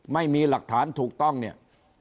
ไม่มีหลักฐานถูกต้องเนี่ย